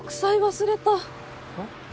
忘れたえっ？